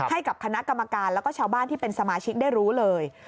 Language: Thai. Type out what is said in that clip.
ให้กับคณะกรรมการแล้วก็ชาวบ้านที่เป็นสมาชิกได้รู้เลย